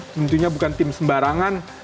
tentunya bukan tim sembarangan